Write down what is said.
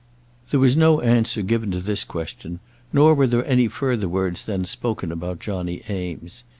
There was no answer given to this question, nor were there any further words then spoken about Johnny Eames.